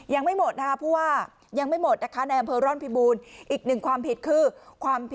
ยังไม่หมดนะคะเพราะว่า